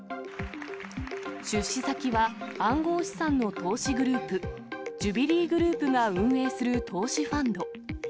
出資先は暗号資産の投資グループ、ジュビリーグループが運営する投資ファンド。